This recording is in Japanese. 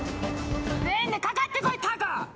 全員でかかってこい、たこ！